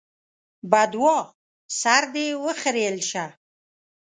بدوعا: سر دې وخرېيل شه!